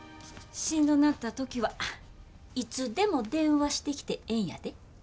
しんどなった時はいつでも電話してきてええんやで。